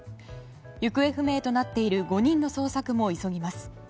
行方不明となっている５人の捜索も急ぎます。